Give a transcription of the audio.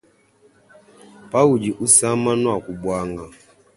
Pawudi usama nuaku buanga.